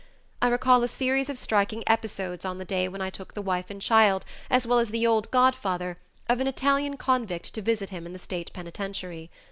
I recall a series of striking episodes on the day when I took the wife and child, as well as the old godfather, of an Italian convict to visit him in the State Penitentiary.